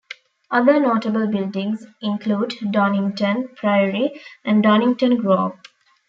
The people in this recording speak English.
Other notable buildings include Donnington Priory and Donnington Grove.